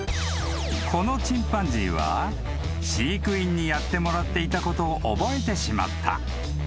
［このチンパンジーは飼育員にやってもらっていたことを覚えてしまった］